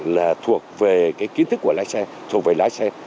là thuộc về cái kiến thức của lái xe thuộc về lái xe